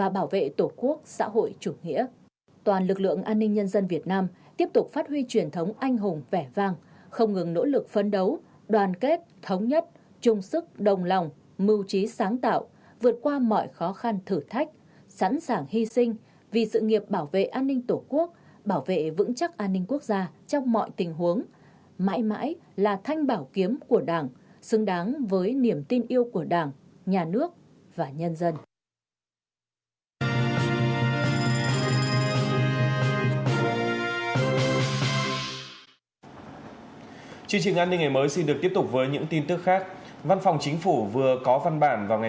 bảo vệ tổ quốc xã hội chủ nghĩa toàn lực lượng an ninh nhân dân việt nam tiếp tục phát huy truyền thống anh hùng vẻ vàng không ngừng nỗ lực phấn đấu đoàn kết thống nhất chung sức đồng lòng mưu trí sáng tạo vượt qua mọi khó khăn thử thách sẵn sàng hy sinh vì sự nghiệp bảo vệ an ninh tổ quốc bảo vệ vững chắc an ninh quốc gia trong mọi tình huống mãi mãi là thanh bảo kiếm của đảng xứng đáng với niềm tin yêu của đảng nhà nước và nhân dân